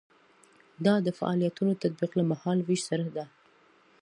دا د فعالیتونو تطبیق له مهال ویش سره ده.